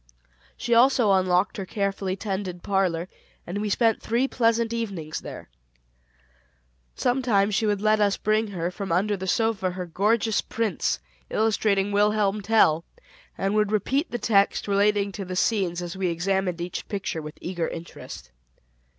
She also unlocked her carefully tended parlor and we three spent pleasant evenings there. Sometimes she would let us bring her, from under the sofa, her gorgeous prints, illustrating "Wilhelm Tell," and would repeat the text relating to the scenes as we examined each picture with eager interest.